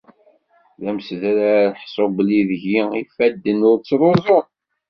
D amsedrar ḥṣu belli deg-i ifadden ur ttruẓen.